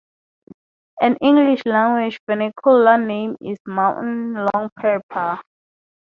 An English language vernacular name is "mountain long pepper".